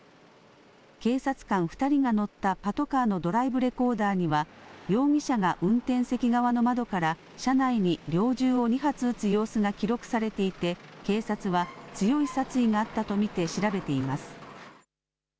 警察官２人が乗ったパトカーのドライブレコーダーには、容疑者が運転席側の窓から車内に猟銃を２発撃つ様子が記録されていて、警察は強い殺意があったと見て調べています。